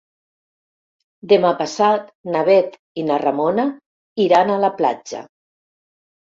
Demà passat na Bet i na Ramona iran a la platja.